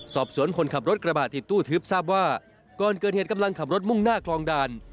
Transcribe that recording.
คนขับรถกระบะติดตู้ทึบทราบว่าก่อนเกิดเหตุกำลังขับรถมุ่งหน้าคลองด่าน